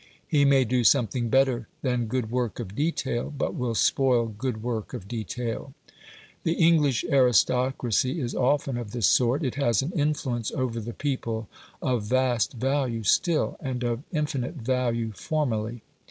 He may do something better than good work of detail, but will spoil good work of detail. The English aristocracy is often of this sort. It has an influence over the people of vast value still, and of infinite value formerly.